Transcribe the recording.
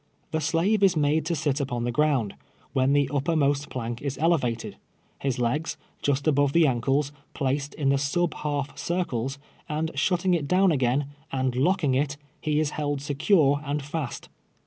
The slave is made to sit upon the ground, when the upper most plank is elevated, his legs, just above the ankles, placed in the sub half circles, and shutting it down again, and locking it, he is held secure and fast.